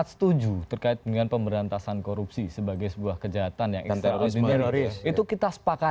tapi sampai hari ini tidak ada